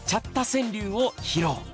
川柳を披露。